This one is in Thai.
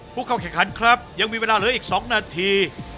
ผู้เข้าแข่งขันครับยังมีเวลาเหลืออีก๒นาที